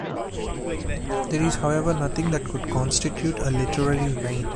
There is however nothing that could constitute a literary vein.